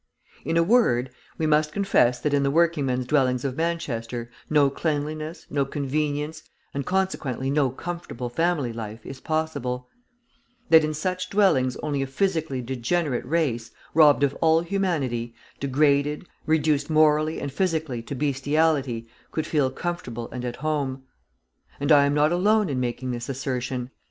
In a word, we must confess that in the working men's dwellings of Manchester, no cleanliness, no convenience, and consequently no comfortable family life is possible; that in such dwellings only a physically degenerate race, robbed of all humanity, degraded, reduced morally and physically to bestiality, could feel comfortable and at home. And I am not alone in making this assertion.